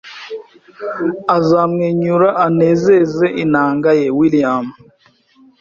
azamwenyura anezeze inanga ye William